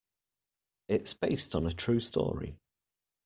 It's based on a true story.